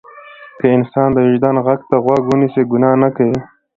که انسان د وجدان غږ ته غوږ ونیسي ګناه نه کوي.